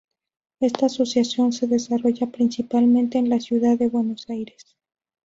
Esta asociación se desarrolla principalmente en la Ciudad de Buenos Aires.